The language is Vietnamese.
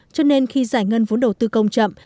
cho nên khi giải ngân vốn đầu tư công chậm